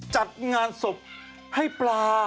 จัดงานศพให้ปลา